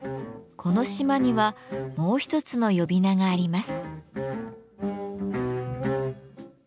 この島にはもう一つの呼び名があります。